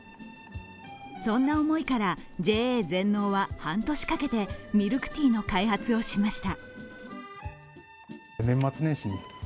そんな思いからＪＡ全農は半年かけて、ミルクティーの開発をしました。